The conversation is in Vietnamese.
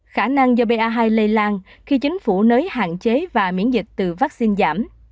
khả năng do ba hai lây lan khi chính phủ nới hạn chế và miễn dịch từ vaccine giảm